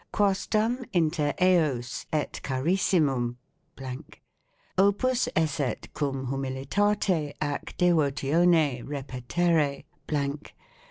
quasdam inter eos et Carissimum ...... opus esset cum humilitate ac devotione repetere l ...